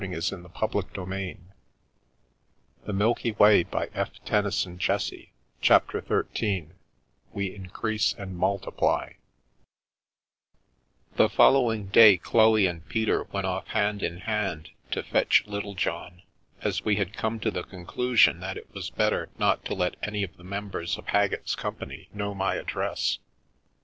Good night, Viv," he said, " remember me in youi " uuuu 104 CHAPTER XIII WE INCREASE AND MULTIPLY THE following day Chloe and Peter went off hand in hand to fetch Littlejohn, as we had come to the conclusion that it was better not to let any of the mem bers of Haggett's company know my address.